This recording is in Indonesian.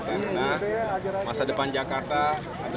karena masa depan jakarta kita akan berjalan dengan baik